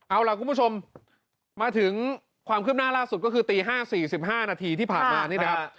เอาล่ะคุณผู้ชมมาถึงความคืบหน้าล่าสุดก็คือตี๕๔๕นาทีที่ผ่านมานี่นะครับ